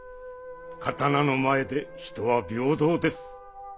刀の前で人は平等です。